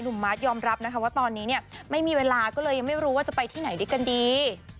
มาร์ทยอมรับนะคะว่าตอนนี้เนี่ยไม่มีเวลาก็เลยยังไม่รู้ว่าจะไปที่ไหนด้วยกันดี